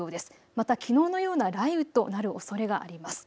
またきのうのような雷雨となるおそれがあります。